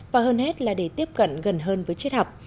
và hơn hết là để tiếp cận gần hơn với triết học